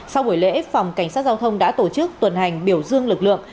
sau buổi lễ phòng cảnh sát giao thông đã tổ chức tuần hành biểu dương lực lượng